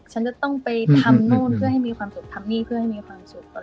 ฉันจะต้องไปทำนู่นเพื่อให้มีความสุขทำนี่เพื่อให้มีความสุข